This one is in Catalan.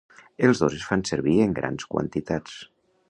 Els dos es fan servir en grans quantitats.